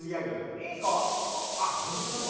いいんすか？